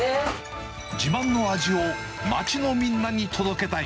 自慢の味を街のみんなに届けたい。